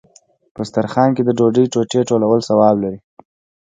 په دسترخان کې د ډوډۍ ټوټې ټولول ثواب دی.